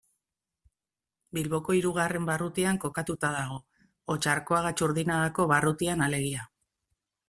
Bilboko hirugarren barrutian kokatuta dago, Otxarkoaga-Txurdinagako barrutian alegia.